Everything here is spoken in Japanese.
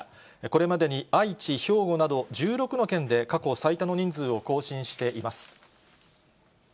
これまでに愛知、兵庫など、１６の県で過去最多の人数を更新しています。